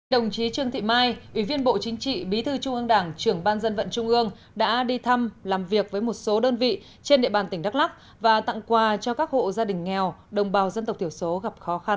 đồng chí trương thị mai ủy viên bộ chính trị bí thư trung ương đảng trưởng ban dân vận trung ương đã đi thăm làm việc với một số đơn vị trên địa bàn tỉnh đắk lắc và tặng quà cho các hộ gia đình nghèo đồng bào dân tộc thiểu số gặp khó khăn